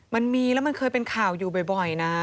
มันมีแล้วมันเคยเป็นข่าวอยู่บ่อยนะ